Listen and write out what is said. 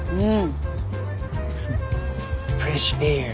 うん。